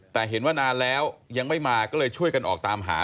แต่เห็นว่านานแล้วยังไม่มาก็เลยช่วยกันออกตามหา